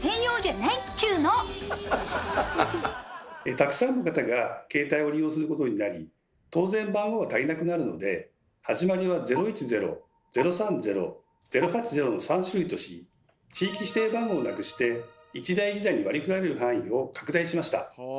たくさんの方が携帯を利用することになり当然番号は足りなくなるので始まりは「０１０」「０３０」「０８０」の３種類とし地域指定番号をなくして一台一台に割り振られる範囲を拡大しました。